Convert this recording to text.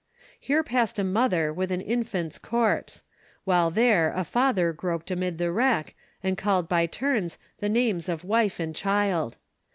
Here passed a mother with an infant's corpse; while there a father groped amid the wreck, and called by turns the names of wife and child.